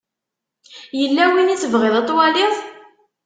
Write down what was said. Yella win i tebɣiḍ ad twaliḍ?